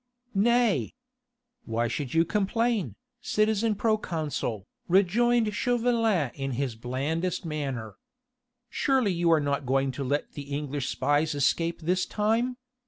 "Nay! Why should you complain, citizen proconsul," rejoined Chauvelin in his blandest manner. "Surely you are not going to let the English spies escape this time?